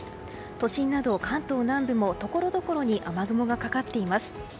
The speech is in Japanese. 都心など関東南部もところどころ雨雲がかかっています。